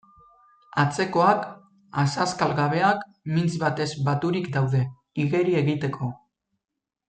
Atzekoak, azazkal gabeak, mintz batez baturik daude, igeri egiteko.